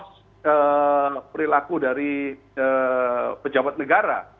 masyarakat indonesia ini harus mencontoh perilaku dari pejabat negara